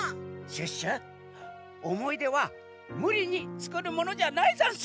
シュッシュおもいではむりにつくるものじゃないざんす！